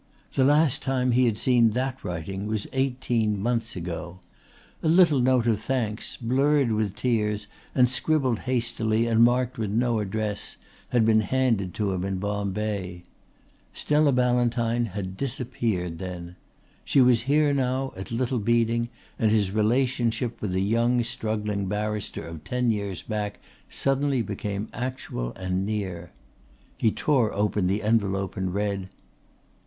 The last time he had seen that writing was eighteen months ago. A little note of thanks, blurred with tears and scribbled hastily and marked with no address, had been handed to him in Bombay. Stella Ballantyne had disappeared then. She was here now at Little Beeding and his relationship with the young struggling barrister of ten years back suddenly became actual and near. He tore open the envelope and read.